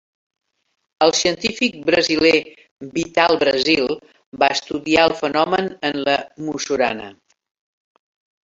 El científic brasiler Vital Brasil va estudiar el fenomen en la mussurana.